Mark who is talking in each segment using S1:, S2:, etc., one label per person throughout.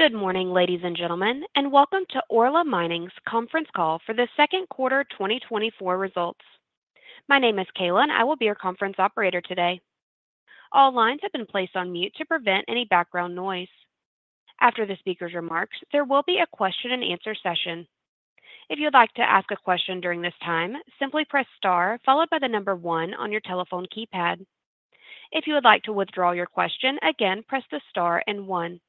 S1: Good morning, ladies and gentlemen, and welcome to Orla Mining's conference call for the second quarter 2024 results. My name is Kayla, and I will be your conference operator today. All lines have been placed on mute to prevent any background noise. After the speaker's remarks, there will be a question-and-answer session. If you'd like to ask a question during this time, simply press Star, followed by the number 1 on your telephone keypad. If you would like to withdraw your question again, press the Star and 1.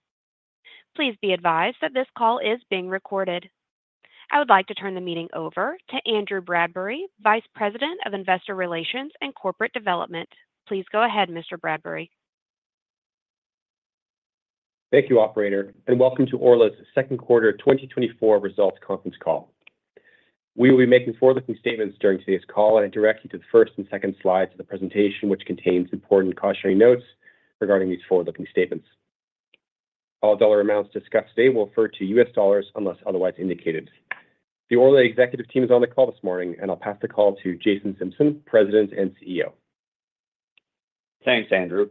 S1: Please be advised that this call is being recorded. I would like to turn the meeting over to Andrew Bradbury, Vice President of Investor Relations and Corporate Development. Please go ahead, Mr. Bradbury.
S2: Thank you, operator, and welcome to Orla's second quarter 2024 results conference call. We will be making forward-looking statements during today's call, and I direct you to the first and second slides of the presentation, which contains important cautionary notes regarding these forward-looking statements. All dollar amounts discussed today will refer to US dollars unless otherwise indicated. The Orla executive team is on the call this morning, and I'll pass the call to Jason Simpson, President and CEO.
S3: Thanks, Andrew.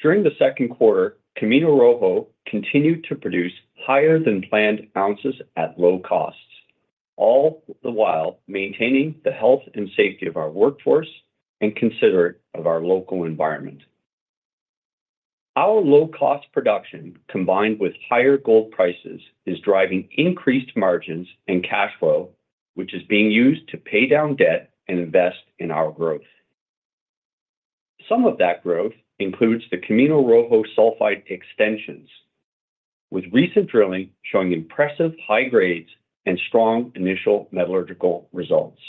S3: During the second quarter, Camino Rojo continued to produce higher than planned ounces at low costs, all the while maintaining the health and safety of our workforce and considerate of our local environment. Our low-cost production, combined with higher gold prices, is driving increased margins and cash flow, which is being used to pay down debt and invest in our growth. Some of that growth includes the Camino Rojo sulfide extensions, with recent drilling showing impressive high grades and strong initial metallurgical results.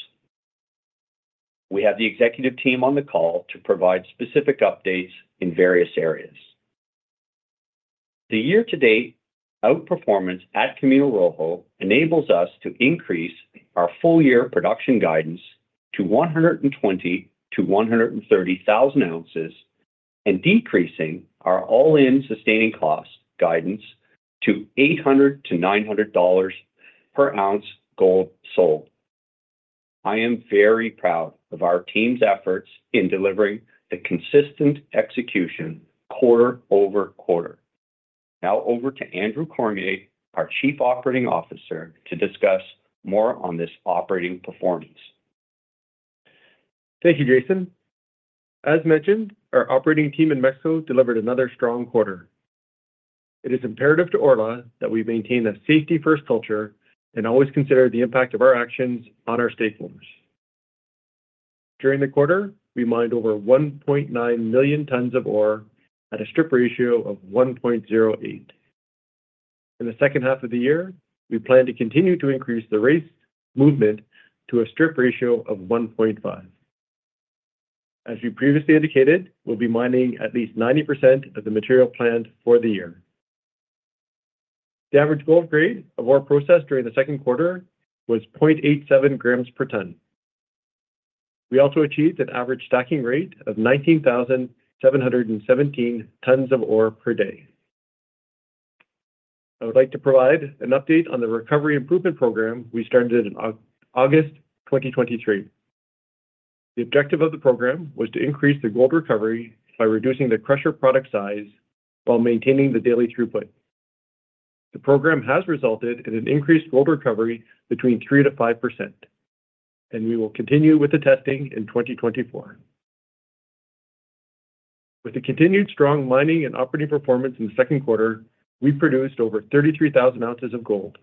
S3: We have the executive team on the call to provide specific updates in various areas. The year-to-date outperformance at Camino Rojo enables us to increase our full-year production guidance to 120,000-130,000 ounces and decreasing our all-in sustaining cost guidance to $800-$900 per ounce gold sold. I am very proud of our team's efforts in delivering the consistent execution quarter-over-quarter. Now over to Andrew Cormier, our Chief Operating Officer, to discuss more on this operating performance.
S4: Thank you, Jason. As mentioned, our operating team in Mexico delivered another strong quarter. It is imperative to Orla that we maintain a safety-first culture and always consider the impact of our actions on our stakeholders. During the quarter, we mined over 1.9 million tons of ore at a strip ratio of 1.08. In the second half of the year, we plan to continue to increase the waste movement to a strip ratio of 1.5. As we previously indicated, we'll be mining at least 90% of the material planned for the year. The average gold grade of ore processed during the second quarter was 0.87 grams per ton. We also achieved an average stacking rate of 19,717 tons of ore per day. I would like to provide an update on the recovery improvement program we started in August 2023. The objective of the program was to increase the gold recovery by reducing the crusher product size while maintaining the daily throughput. The program has resulted in an increased gold recovery between 3%-5%, and we will continue with the testing in 2024. With the continued strong mining and operating performance in the second quarter, we produced over 33,000 ounces of gold,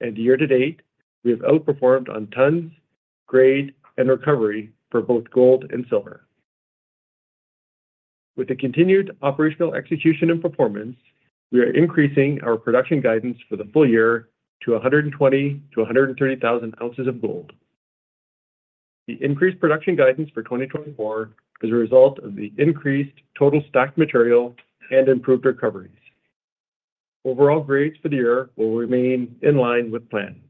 S4: and year to date, we have outperformed on tons, grade, and recovery for both gold and silver. With the continued operational execution and performance, we are increasing our production guidance for the full year to 120,000-130,000 ounces of gold. The increased production guidance for 2024 is a result of the increased total stacked material and improved recoveries. Overall grades for the year will remain in line with plan.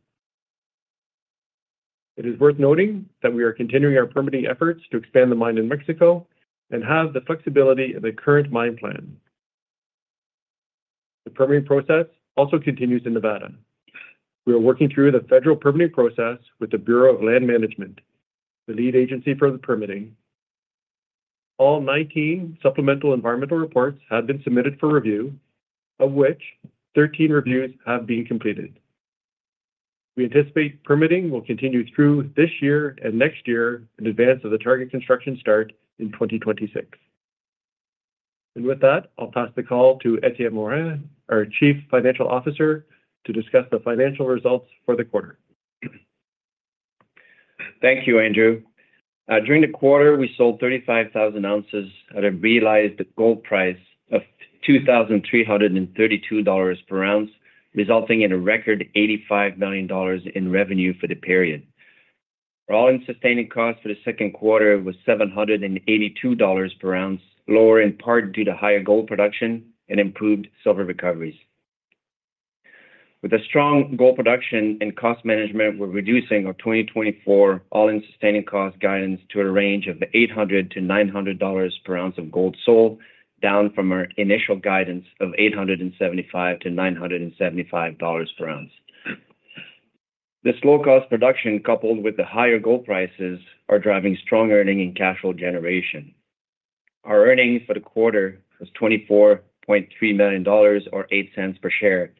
S4: It is worth noting that we are continuing our permitting efforts to expand the mine in Mexico and have the flexibility of the current mine plan. The permitting process also continues in Nevada. We are working through the federal permitting process with the Bureau of Land Management, the lead agency for the permitting. All 19 supplemental environmental reports have been submitted for review, of which 13 reviews have been completed. We anticipate permitting will continue through this year and next year in advance of the target construction start in 2026. With that, I'll pass the call to Etienne Morin, our Chief Financial Officer, to discuss the financial results for the quarter.
S5: Thank you, Andrew. During the quarter, we sold 35,000 ounces at a realized gold price of $2,332 per ounce, resulting in a record $85 million in revenue for the period. Our all-in sustaining cost for the second quarter was $782 per ounce, lower in part due to higher gold production and improved silver recoveries. With a strong gold production and cost management, we're reducing our 2024 all-in sustaining cost guidance to a range of $800-$900 per ounce of gold sold, down from our initial guidance of $875-$975 per ounce. This low-cost production, coupled with the higher gold prices, are driving strong earnings and cash flow generation. Our earnings for the quarter was $24.3 million, or $0.08 per share,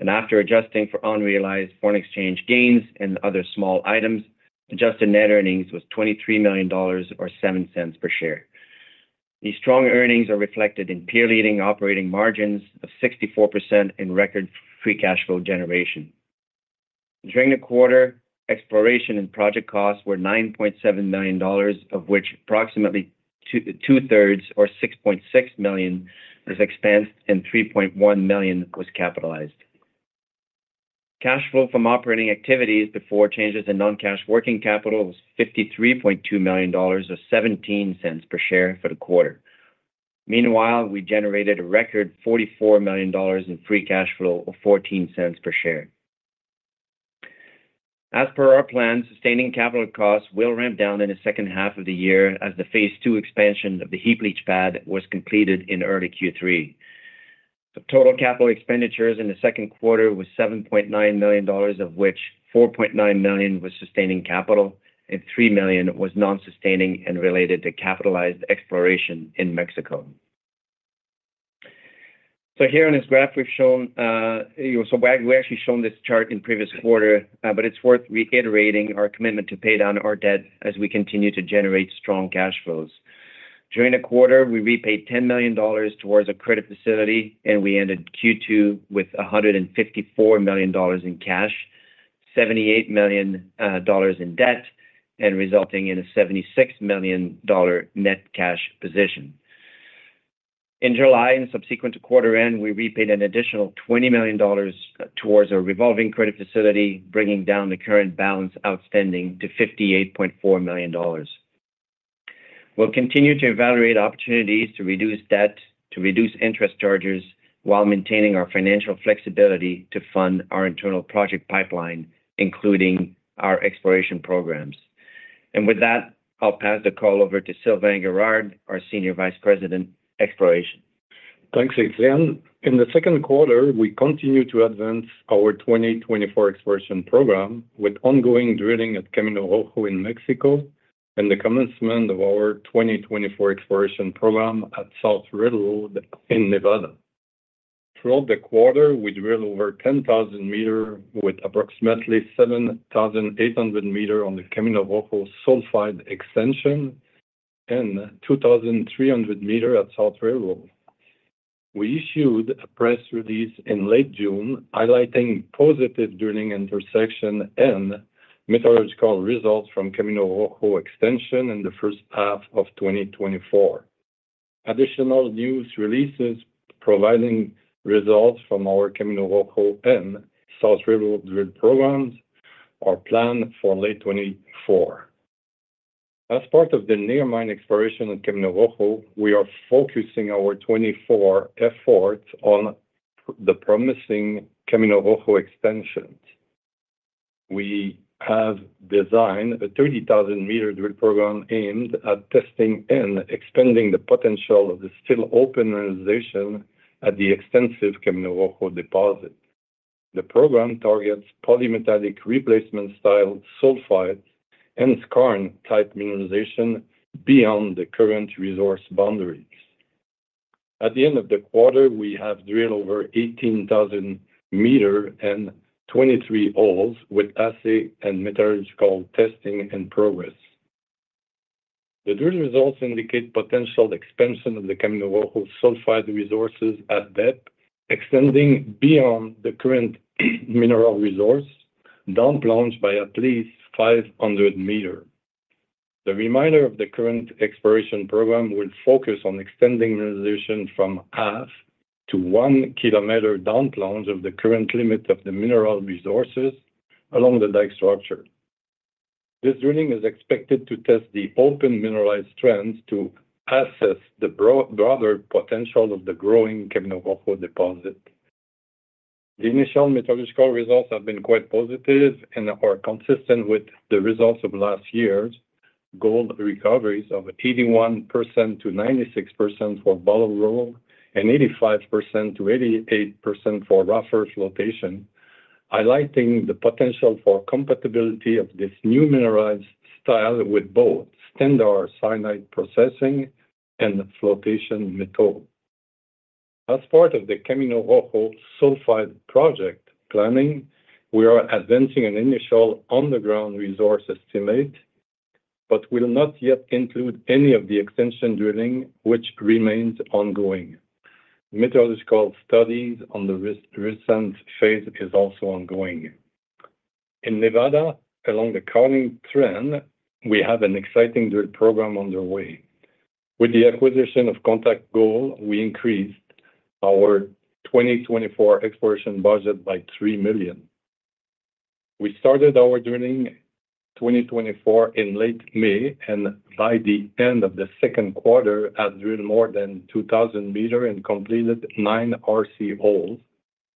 S5: and after adjusting for unrealized foreign exchange gains and other small items, adjusted net earnings was $23 million or $0.07 per share. These strong earnings are reflected in peer-leading operating margins of 64% in record free cash flow generation. During the quarter, exploration and project costs were $9.7 million, of which approximately 2/3, or $6.6 million, was expensed and $3.1 million was capitalized. Cash flow from operating activities before changes in non-cash working capital was $53.2 million, or $0.17 per share for the quarter. Meanwhile, we generated a record $44 million in free cash flow of $0.14 per share. As per our plan, sustaining capital costs will ramp down in the second half of the year as the phase two expansion of the heap leach pad was completed in early Q3. The total capital expenditures in the second quarter was $7.9 million, of which $4.9 million was sustaining capital and $3 million was non-sustaining and related to capitalized exploration in Mexico. So here on this graph, we've shown. So we actually shown this chart in previous quarter, but it's worth reiterating our commitment to pay down our debt as we continue to generate strong cash flows. During the quarter, we repaid $10 million towards a credit facility, and we ended Q2 with $154 million in cash, $78 million in debt, and resulting in a $76 million net cash position. In July, and subsequent to quarter end, we repaid an additional $20 million towards a revolving credit facility, bringing down the current balance outstanding to $58.4 million. We'll continue to evaluate opportunities to reduce debt, to reduce interest charges while maintaining our financial flexibility to fund our internal project pipeline, including our exploration programs. With that, I'll pass the call over to Sylvain Guerard, our Senior Vice President, Exploration.
S6: Thanks, Etienne. In the second quarter, we continued to advance our 2024 exploration program, with ongoing drilling at Camino Rojo in Mexico and the commencement of our 2024 exploration program at South Railroad in Nevada. Throughout the quarter, we drilled over 10,000 m, with approximately 7,800 m on the Camino Rojo sulfide extension and 2,300 m at South Railroad. We issued a press release in late June, highlighting positive drilling intersection and metallurgical results from Camino Rojo extension in the first half of 2024. Additional news releases providing results from our Camino Rojo and South Railroad drill programs are planned for late 2024. As part of the near mine exploration at Camino Rojo, we are focusing our 2024 efforts on the promising Camino Rojo extensions. We have designed a 30,000 m drill program aimed at testing and expanding the potential of the still open mineralization at the extensive Camino Rojo deposit. The program targets polymetallic replacement style sulfides and skarn-type mineralization beyond the current resource boundaries. At the end of the quarter, we have drilled over 18,000 m and 23 holes, with assay and metallurgical testing in progress. The drill results indicate potential expansion of the Camino Rojo sulfide resources at depth, extending beyond the current mineral resource, down plunge by at least 500 m. The remainder of the current exploration program will focus on extending mineralization from 0.5 km-1 km down plunge of the current limits of the mineral resources along the dike structure. This drilling is expected to test the open mineralized trends to assess the broader potential of the growing Camino Rojo deposit. The initial metallurgical results have been quite positive and are consistent with the results of last year's gold recoveries of 81%-96% for bottle roll and 85%-88% for rougher flotation, highlighting the potential for compatibility of this new mineralized style with both standard cyanide processing and flotation metal. As part of the Camino Rojo Sulphide Project planning, we are advancing an initial on-the-ground resource estimate but will not yet include any of the extension drilling which remains ongoing. Metallurgical studies on the recent phase is also ongoing. In Nevada, along the Carlin Trend, we have an exciting drill program underway. With the acquisition of Contact Gold, we increased our 2024 exploration budget by $3 million. We started our drilling 2024 in late May, and by the end of the second quarter, had drilled more than 2,000 m and completed 9 RC holes,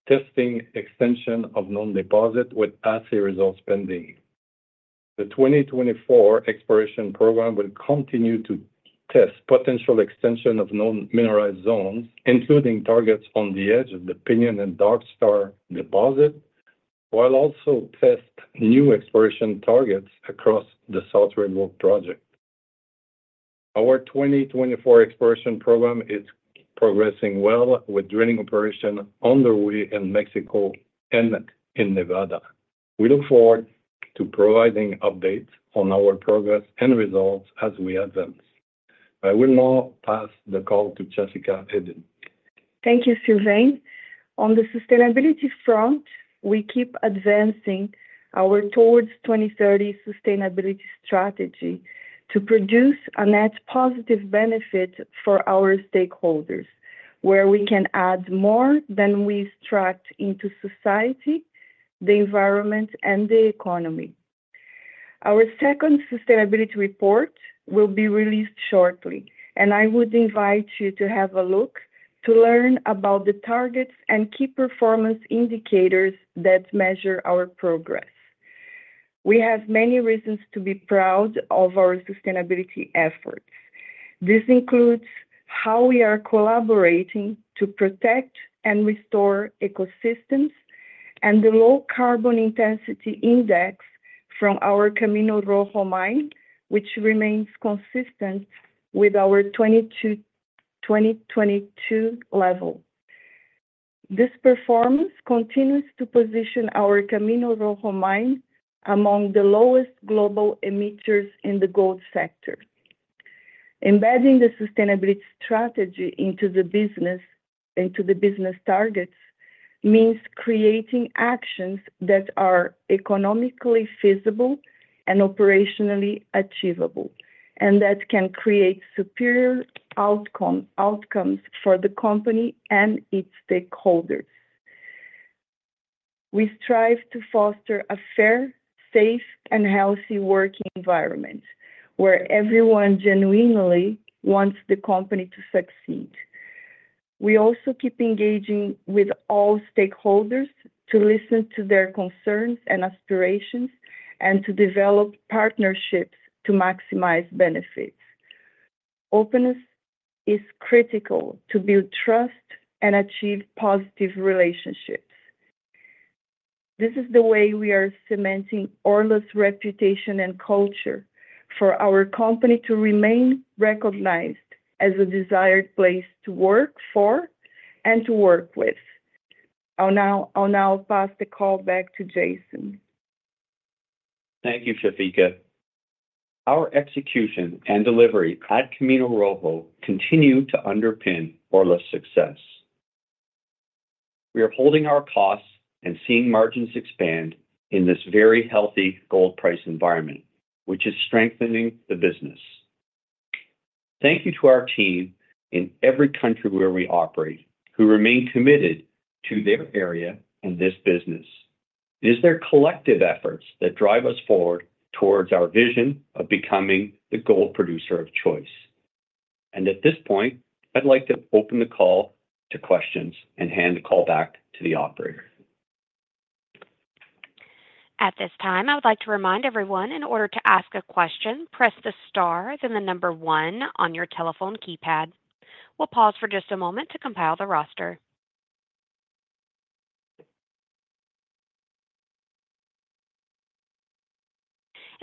S6: testing extension of known deposit with assay results pending. The 2024 exploration program will continue to test potential extension of known mineralized zones, including targets on the edge of the Pinion and Dark Star deposit, while also test new exploration targets across the South Railroad project. Our 2024 exploration program is progressing well with drilling operation underway in Mexico and in Nevada. We look forward to providing updates on our progress and results as we advance. I will now pass the call to Chafika Eddine.
S7: Thank you, Sylvain. On the sustainability front, we keep advancing our 2030 sustainability strategy to produce a net positive benefit for our stakeholders, where we can add more than we extract into society, the environment, and the economy. Our second sustainability report will be released shortly, and I would invite you to have a look to learn about the targets and key performance indicators that measure our progress. We have many reasons to be proud of our sustainability efforts. This includes how we are collaborating to protect and restore ecosystems, and the low carbon intensity index from our Camino Rojo mine, which remains consistent with our 2020-2022 level. This performance continues to position our Camino Rojo mine among the lowest global emitters in the gold sector. Embedding the sustainability strategy into the business, into the business targets, means creating actions that are economically feasible and operationally achievable, and that can create superior outcome, outcomes for the company and its stakeholders. We strive to foster a fair, safe, and healthy working environment, where everyone genuinely wants the company to succeed. We also keep engaging with all stakeholders to listen to their concerns and aspirations, and to develop partnerships to maximize benefits. Openness is critical to build trust and achieve positive relationships. This is the way we are cementing Orla's reputation and culture for our company to remain recognized as a desired place to work for and to work with. I'll now pass the call back to Jason.
S3: Thank you, Chafika. Our execution and delivery at Camino Rojo continue to underpin all this success. We are holding our costs and seeing margins expand in this very healthy gold price environment, which is strengthening the business. Thank you to our team in every country where we operate, who remain committed to their area and this business. It is their collective efforts that drive us forward towards our vision of becoming the gold producer of choice. At this point, I'd like to open the call to questions and hand the call back to the operator.
S1: At this time, I would like to remind everyone, in order to ask a question, press the star, then the number one on your telephone keypad. We'll pause for just a moment to compile the roster.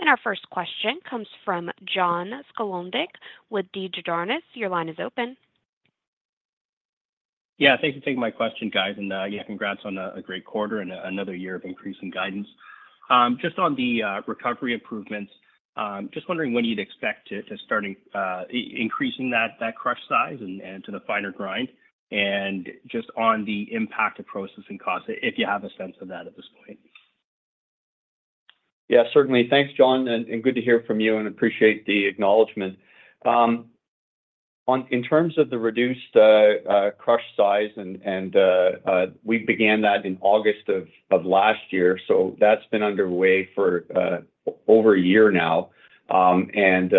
S1: Our first question comes from John Sclodnick with Desjardins. Your line is open.
S8: Yeah, thanks for taking my question, guys. Yeah, congrats on a great quarter and another year of increasing guidance. Just on the recovery improvements, just wondering when you'd expect to start increasing that crush size and to the finer grind, and just on the impact of processing costs, if you have a sense of that at this point?
S3: Yeah, certainly. Thanks, John, and good to hear from you, and appreciate the acknowledgment. On in terms of the reduced crush size and we began that in August of last year, so that's been underway for over a year now. And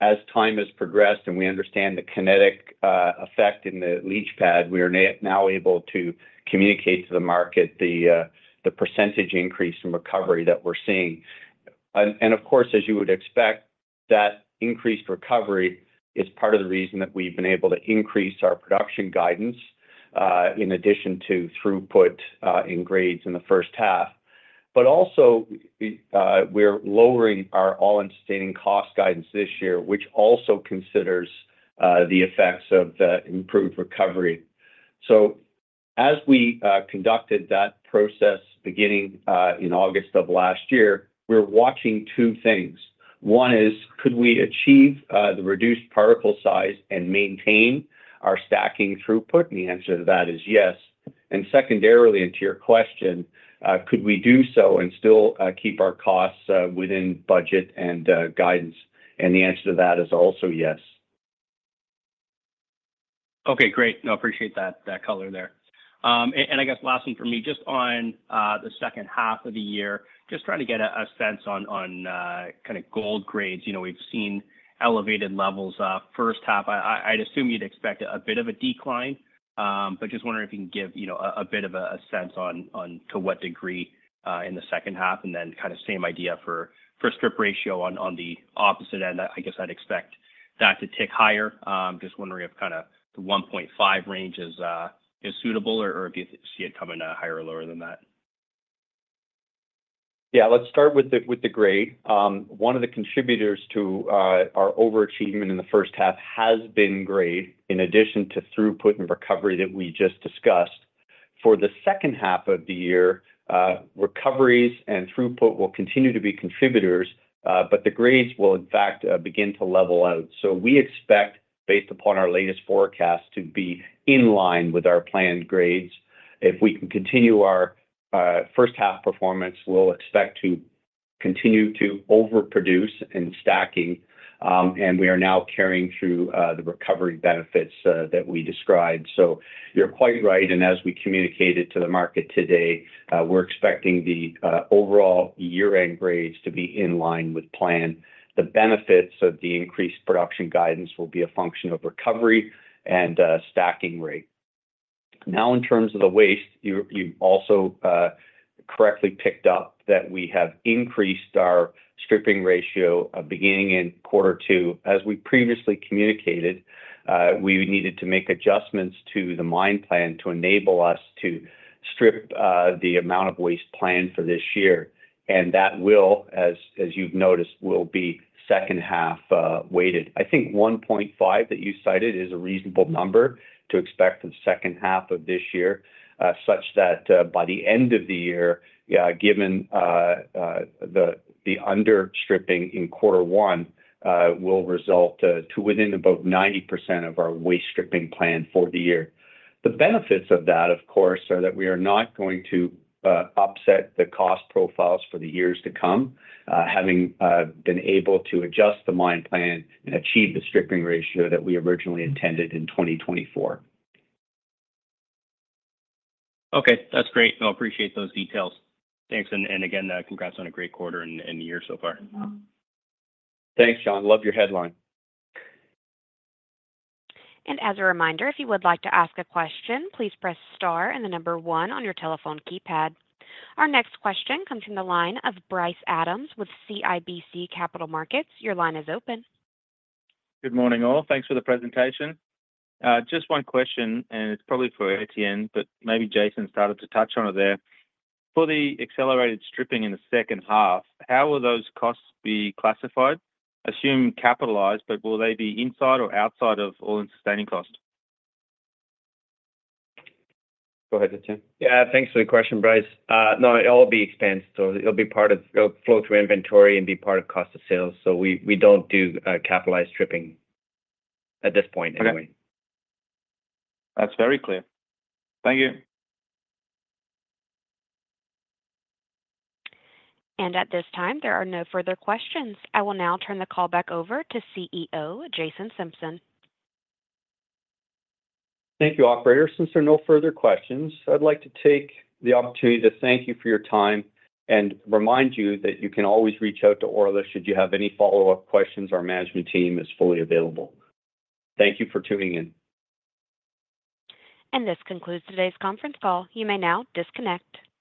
S3: as time has progressed and we understand the kinetic effect in the leach pad, we are now able to communicate to the market the percentage increase in recovery that we're seeing. And of course, as you would expect, that increased recovery is part of the reason that we've been able to increase our production guidance in addition to throughput in grades in the first half. But also, we're lowering our all-in sustaining cost guidance this year, which also considers the effects of the improved recovery. So as we conducted that process, beginning in August of last year, we're watching two things. One is, could we achieve the reduced particle size and maintain our stacking throughput? And the answer to that is yes. And secondarily, and to your question, could we do so and still keep our costs within budget and guidance? And the answer to that is also yes.
S8: Okay, great. No, appreciate that, that color there. And I guess last one for me, just on the second half of the year, just trying to get a sense on kind of gold grades, you know, we've seen elevated levels first half. I'd assume you'd expect a bit of a decline, but just wondering if you can give, you know, a bit of a sense on to what degree in the second half, and then kind of same idea for strip ratio on the opposite end. I guess I'd expect that to tick higher. Just wondering if kind of the 1.5 range is suitable or if you see it coming higher or lower than that.
S3: Yeah, let's start with the grade. One of the contributors to our overachievement in the first half has been grade, in addition to throughput and recovery that we just discussed. For the second half of the year, recoveries and throughput will continue to be contributors, but the grades will, in fact, begin to level out. So we expect, based upon our latest forecast, to be in line with our planned grades. If we can continue our first half performance, we'll expect to continue to overproduce in stacking, and we are now carrying through the recovery benefits that we described. So you're quite right, and as we communicated to the market today, we're expecting the overall year-end grades to be in line with plan. The benefits of the increased production guidance will be a function of recovery and stacking rate. Now, in terms of the waste, you also correctly picked up that we have increased our stripping ratio beginning in quarter two. As we previously communicated, we needed to make adjustments to the mine plan to enable us to strip the amount of waste planned for this year, and that will, as you've noticed, be second half weighted. I think 1.5 that you cited is a reasonable number to expect in the second half of this year. Such that, by the end of the year, yeah, given the under-stripping in quarter one, will result to within about 90% of our waste-stripping plan for the year. The benefits of that, of course, are that we are not going to upset the cost profiles for the years to come, having been able to adjust the mine plan and achieve the stripping ratio that we originally intended in 2024.
S8: Okay, that's great. I appreciate those details. Thanks, and again, congrats on a great quarter and year so far.
S3: Thanks, John. Love your headline.
S1: As a reminder, if you would like to ask a question, please press star and the number one on your telephone keypad. Our next question comes from the line of Bryce Adams with CIBC Capital Markets. Your line is open.
S8: Good morning, all. Thanks for the presentation. Just one question, and it's probably for Etienne, but maybe Jason started to touch on it there. For the accelerated stripping in the second half, how will those costs be classified? Assume capitalized, but will they be inside or outside of all-in sustaining cost?
S3: Go ahead, Etienne.
S5: Yeah, thanks for the question, Bryce. No, it'll all be expensed, so it'll be part of, it'll flow through inventory and be part of cost of sales. So we don't do capitalized stripping at this point anyway.
S9: Okay. That's very clear. Thank you.
S1: At this time, there are no further questions. I will now turn the call back over to CEO Jason Simpson.
S3: Thank you, operator. Since there are no further questions, I'd like to take the opportunity to thank you for your time and remind you that you can always reach out to Orla should you have any follow-up questions. Our management team is fully available. Thank you for tuning in.
S1: This concludes today's conference call. You may now disconnect.